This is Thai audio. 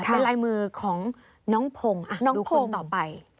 เป็นลายมือของน้องพงศ์ดูคนต่อไป